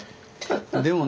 でもね